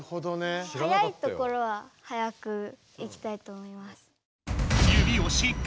速いところは速くいきたいと思います。